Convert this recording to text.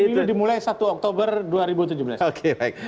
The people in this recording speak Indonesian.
tahap pemilu dimulai satu oktober dua ribu tujuh belas oke baik